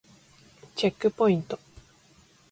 チェックポイント